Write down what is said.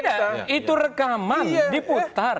tidak itu rekaman diputar